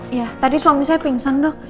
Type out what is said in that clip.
iya tadi suami saya pingsan dok